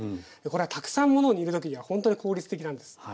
これはたくさんものを煮る時にはほんとに効率的なんです。